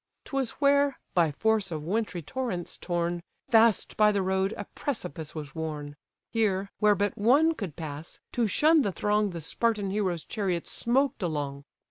'Twas where, by force of wintry torrents torn, Fast by the road a precipice was worn: Here, where but one could pass, to shun the throng The Spartan hero's chariot smoked along.